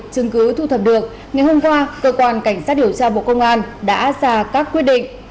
cơ quan cảnh sát điều tra bộ công an đã ra các quyết định